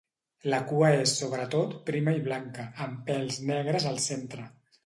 La cua és sobretot prima i blanca, amb pèls negres al centre.